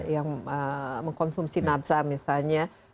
yang mengkonsumsi nabza misalnya